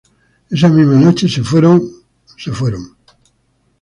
Esa misma noche se fueron el Sr.